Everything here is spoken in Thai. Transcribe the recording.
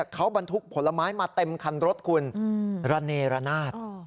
เขาบรรทุกผลไม้มาเต็มคันรถคุณระเนรนาศ